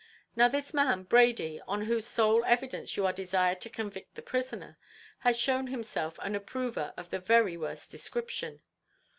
Now this man, Brady, on whose sole evidence you are desired to convict the prisoner, has shown himself an approver of the very worst description.